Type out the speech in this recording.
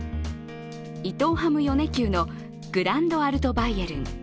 伊藤ハム米久のグランドアルトバイエルン。